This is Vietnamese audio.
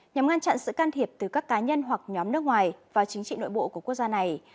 nhằm ngăn chặn sự can thiệp từ các cá nhân hoặc nhóm nước ngoài vào chính trị nội bộ của quốc gia này